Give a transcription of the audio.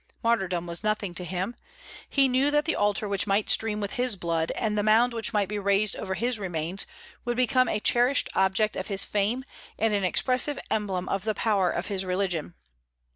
Martyrdom was nothing to him; he knew that the altar which might stream with his blood, and the mound which might be raised over his remains, would become a cherished object of his fame and an expressive emblem of the power of his religion."